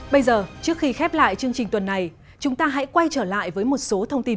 bây giờ trước khi khép lại chương trình tuần này chúng ta hãy quay trở lại với một số thông tin